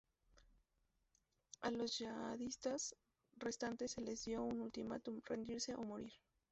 A los yihadistas restantes se les dio un ultimátum: rendirse o morir.